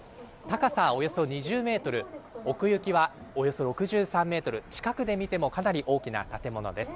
高さおよそ２０メートル、奥行きはおよそ６３メートル、近くで見てもかなり大きな建物です。